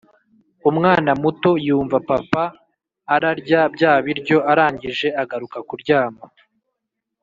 Umwana muto yumva papa ararya bya biryo arangije agaruka kuryama